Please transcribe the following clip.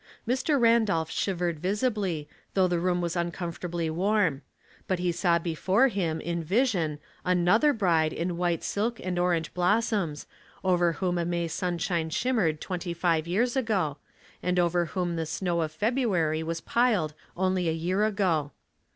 Mr. Randolph shivered visi bly, though the room was uncomfortably warm ; but he saw before him, in vision, another bride in white silk and orange blossoms, over whom a May sunshine shimmered twenty five years ago, and over whom the snow of February was piled only a year ago.